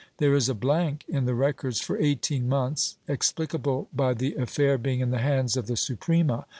There is a blank in the records for eighteen months, explicable by the affair being in the hands of the Suprema.